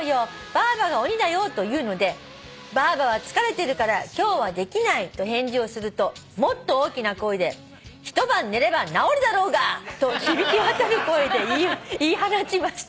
ばあばが鬼だよ』と言うので『ばあばは疲れてるから今日はできない』と返事をするともっと大きな声で『一晩寝ればなおるだろうが！』と響き渡る声で言い放ちました」